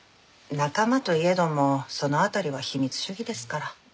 仲間と言えどもその辺りは秘密主義ですから。